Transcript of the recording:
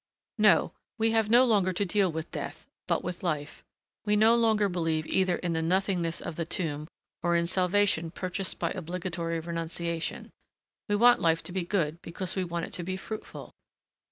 No, we have no longer to deal with Death, but with Life. We no longer believe either in the nothingness of the tomb or in salvation purchased by obligatory renunciation; we want life to be good because we want it to be fruitful.